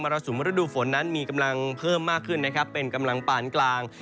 รสุมฤดูฝนนั้นมีกำลังเพิ่มมากขึ้นนะครับเป็นกำลังปานกลาง